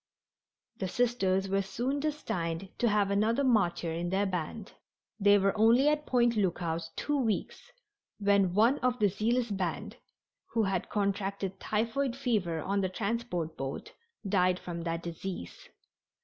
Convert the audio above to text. The Sisters were soon destined to have another martyr in their band. They were only at Point Lookout two weeks when one of the zealous band, who had contracted typhoid fever on the transport boat, died from that disease.